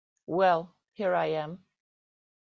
Well, here I am.